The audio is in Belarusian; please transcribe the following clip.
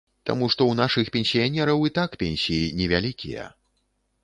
Таму што ў нашых пенсіянераў і так пенсіі невялікія.